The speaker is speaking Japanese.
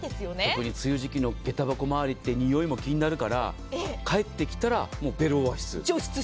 特に梅雨時期の下駄箱周りってにおいも気になるから帰ってきたらベルオアシス。